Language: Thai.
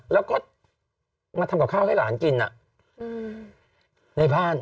แล้วก็มาทำกับข้าวให้หลานกินในบ้าน